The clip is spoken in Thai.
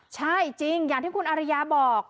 ใช่จริงอย่างที่คุณอริยาบอก